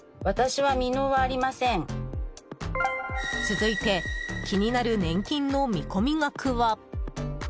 続いて気になる年金の見込み額は。